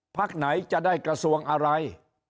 พักไหนจะได้กระทรวงอะไร